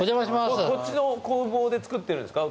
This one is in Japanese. こっちの工房で作ってるんですか？